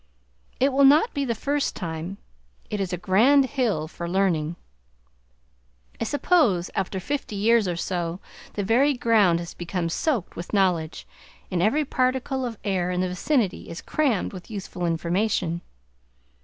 It will not be the first time; it is a grand hill for learning! I suppose after fifty years or so the very ground has become soaked with knowledge, and every particle of air in the vicinity is crammed with useful information.